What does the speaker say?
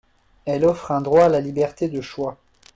Elle offre un droit à la liberté de choix.